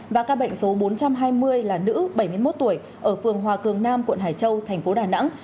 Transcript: và ca bệnh số bốn trăm hai mươi là nữ bảy mươi một tuổi ở phường hòa cường nam quận hải châu thành phố đà nẵng